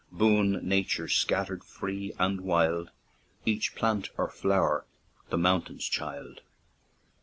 Boon nature scatter 'd free and wild, Each plant or flower, the mountain's child.